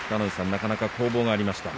なかなか攻防がありました。